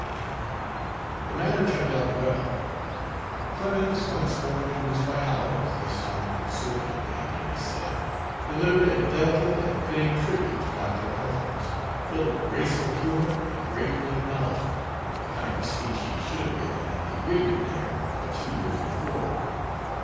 The matter turned out well. Clemens, once more introduced by Howells this time conservatively, it may be said delivered a delicate and fitting tribute to Doctor Holmes, full of graceful humor and grateful acknowledgment, the kind of speech he should have given at the Whittier dinner of two years before.